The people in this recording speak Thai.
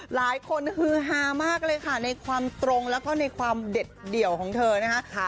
หลายคนฮือฮามากเลยค่ะในความตรงแล้วก็ในความเด็ดเดี่ยวของเธอนะคะ